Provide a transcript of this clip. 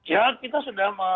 ya kita sudah